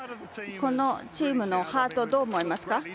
このチームのハートどう思いますか？